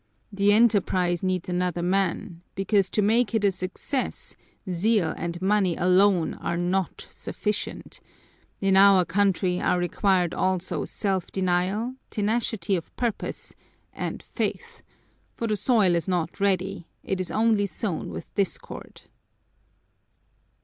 The enterprise needs another man, because to make it a success zeal and money alone are not sufficient; in our country are required also self denial, tenacity of purpose, and faith, for the soil is not ready, it is only sown with discord."